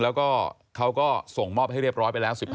แล้วก็เขาก็ส่งมอบให้เรียบร้อยไปแล้ว๑๕